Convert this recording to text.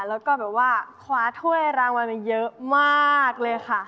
แล้วก็แบบว่าคว้าถ้วยรางวัลมาเยอะมากเลยค่ะ